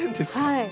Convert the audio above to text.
はい。